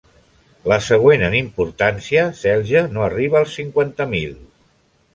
La següent en importància, Celje, no arriba als cinquanta mil.